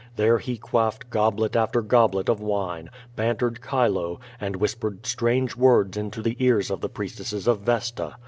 There he quaffed goblet after goblet of wine, bantered Chilo, and whispered strange words into the ears of the priestesses of Vesta.